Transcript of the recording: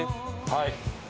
はい。